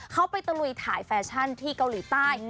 เขาไปตะลุยถ่ายแฟชั่นที่เกาหลีใต้